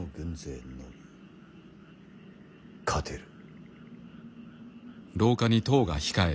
勝てる。